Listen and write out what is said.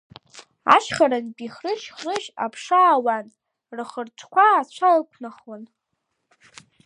Ашьхарантәи хрыжь-хрыжь аԥша аауан, рхырҿқәа ацәа ықәнахуан.